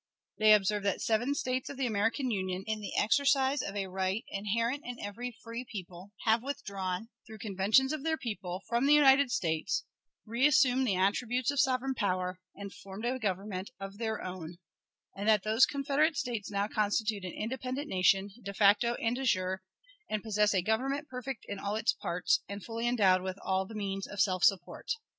They observe that seven States of the American Union, in the exercise of a right inherent in every free people, have withdrawn, through conventions of their people, from the United States, reassumed the attributes of sovereign power, and formed a government of their own, and that those Confederate States now constitute an independent nation, de facto and de jure, and possess a government perfect in all its parts, and fully endowed with all the means of self support.